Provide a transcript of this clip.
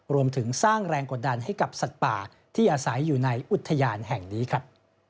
รวมถึงสร้างแรงกดดันให้กับสัตว์ป่าที่อาศัยอยู่ในอุทยานแห่งนี้ครับ